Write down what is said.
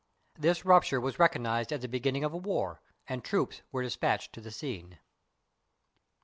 This rupture was recognized as the beginning of a war, and troops were dispatched to the scene.